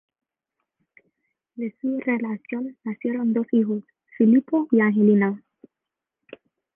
De su relación nacieron dos hijos: Filippo y Angelina.